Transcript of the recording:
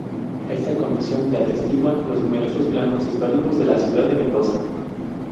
Esta condición la atestiguan los numerosos planos históricos de la Ciudad de Mendoza.